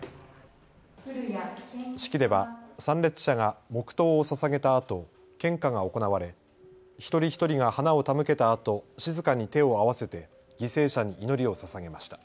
式では参列者が黙とうをささげたあと、献花が行われ、一人一人が花を手向けたあと静かに手を合わせて犠牲者に祈りをささげました。